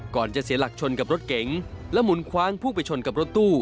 จะเสียหลักชนกับรถเก๋งและหมุนคว้างพุ่งไปชนกับรถตู้